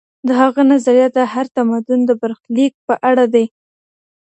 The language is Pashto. د هغه نظریات د هر تمدن د برخلیک په اړه دي.